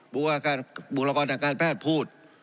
บุคลากรทางการแพทย์พูด